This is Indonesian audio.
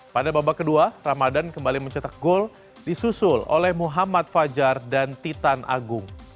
pada babak kedua ramadan kembali mencetak gol disusul oleh muhammad fajar dan titan agung